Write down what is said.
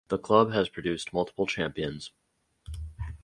The club has produced multiple champions.